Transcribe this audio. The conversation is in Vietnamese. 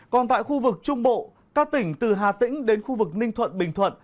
còn tại khu vực trung bộ các tỉnh từ hà tĩnh đến khu vực ninh thuận bình thuận